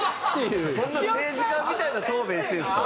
そんな政治家みたいな答弁してるんですか？